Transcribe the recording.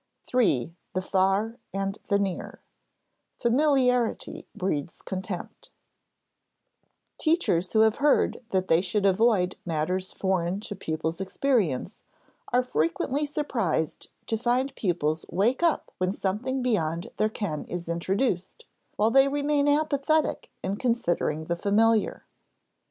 § 3. The Far and the Near [Sidenote: "Familiarity breeds contempt,"] Teachers who have heard that they should avoid matters foreign to pupils' experience, are frequently surprised to find pupils wake up when something beyond their ken is introduced, while they remain apathetic in considering the familiar.